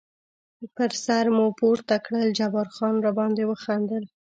پر سر مو پورته کړل، جبار خان را باندې وخندل.